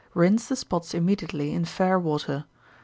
Rinse the spots immediately, in fair water.